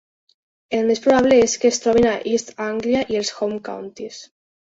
El més probable és que es trobin a East Anglia i els Home Counties.